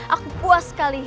aku puas sekali